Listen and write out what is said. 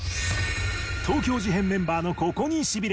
「東京事変メンバーのココにシビれた」。